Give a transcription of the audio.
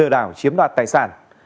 bảo chiếm đoạt tài sản